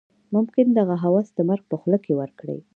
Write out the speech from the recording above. ممکن دغه هوس د مرګ په خوله کې ورکړي.